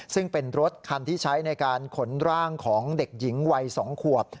ซึ่งเป็นรถคันที่ใช้ในการขนร่างของเด็กหญิงวัย๒ขวบ